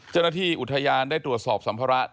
เจ้าหน้าที่อุทยานได้ตรวจสอบสัมภาระ